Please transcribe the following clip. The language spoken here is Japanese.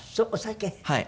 はい。